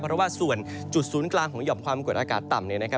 เพราะว่าส่วนจุดศูนย์กลางของยอมความกวดอากาศต่ำ